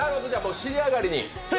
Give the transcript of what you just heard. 尻上がりに。